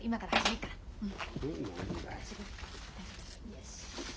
よし。